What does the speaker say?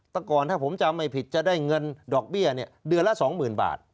แต่ก่อนถ้าผมจำไม่ผิดจะได้เงินดอกเบี้ยเดือนละ๒๐๐๐บาท